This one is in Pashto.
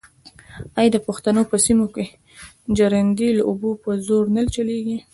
آیا د پښتنو په سیمو کې ژرندې د اوبو په زور نه چلېږي؟